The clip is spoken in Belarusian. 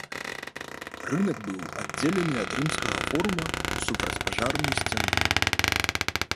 Рынак быў аддзелены ад рымскага форума супрацьпажарнай сцяной.